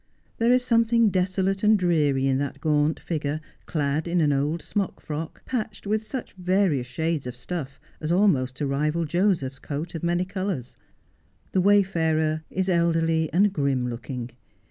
There is something desolate and dreary in that gaunt figure, clad in an old smock frock, patched with such various shades of stuff, as almost to rival Joseph's coat of many colours. The wayfarer is elderly and grim looking.